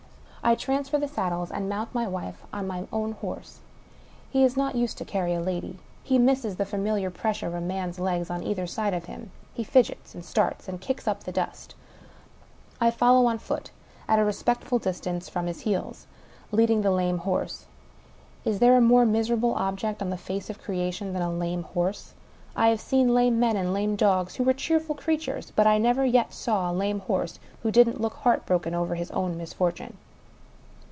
I transfer the saddles, and mount my wife on my own horse. He is not used to carry a lady; he misses the familiar pressure of a man's legs on either side of him; he fidgets, and starts, and kicks up the dust. ^ follow on foot, at a respectful distance from his heels, lead • ing the lame horse. Is there a more miserable object on the face of creation than a lame horse ? I have seen lanffe men and lame dogs who were cheerful creatures; hvt I never yet saw a lame horse who didn't look heartbroken over his own misfortune.